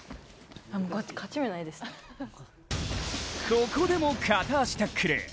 ここでも片足タックル。